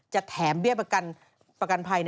แถมเบี้ยประกันภัย